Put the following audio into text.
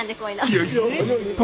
いやいや。